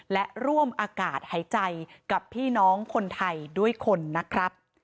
และร่วมอากาศหายใจกับพี่น้องคนไทยด้วยคนนะครับ